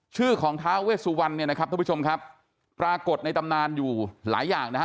ชื่อของท้าเวสุวรรณเนี่ยนะครับท่านผู้ชมครับปรากฏในตำนานอยู่หลายอย่างนะฮะ